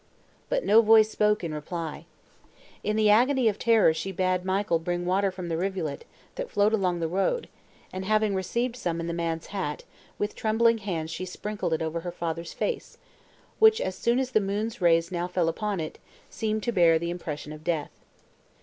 But no voice spoke in reply. In the agony of terror she bade Michael bring water from the rivulet, that flowed along the road; and, having received some in the man's hat, with trembling hands she sprinkled it over her father's face, which, as the moon's rays now fell upon it, seemed to bear the impression of death.